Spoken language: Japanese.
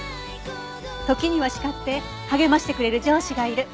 時には叱って励ましてくれる上司がいる。